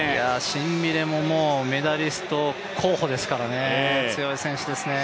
シンビネもメダリスト候補ですからね、強い選手です。